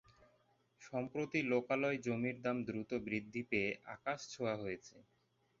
সম্প্রতি লোকালয় জমির দাম দ্রুত বৃদ্ধি পেয়ে আকাশ ছোঁয়া হয়েছে।